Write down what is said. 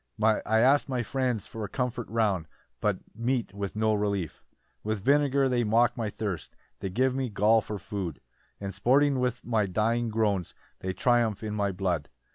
"I ask my friends for comfort round, "But meet with no relief. 8 "With vinegar they mock my thirst; "They give me gall for food; "And sporting with my dying groans, "They triumph in my blood.